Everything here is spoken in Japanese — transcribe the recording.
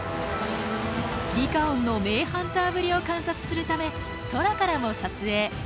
リカオンの名ハンターぶりを観察するため空からも撮影。